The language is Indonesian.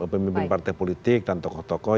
pemimpin partai politik dan tokoh tokoh